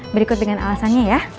berikut dengan alasannya ya